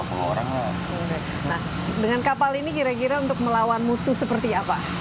nah dengan kapal ini kira kira untuk melawan musuh seperti apa